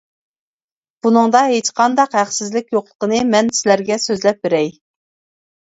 بۇنىڭدا ھېچقانداق ھەقسىزلىك يوقلۇقىنى مەن سىلەرگە سۆزلەپ بېرەي.